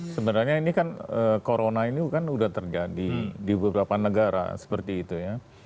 sebenarnya ini kan corona ini kan sudah terjadi di beberapa negara seperti itu ya